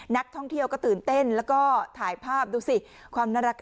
นักท่องเที่ยวก็ตื่นเต้นแล้วก็ถ่ายภาพดูสิความน่ารัก